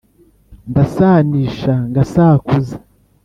ndasanisha ngasākūza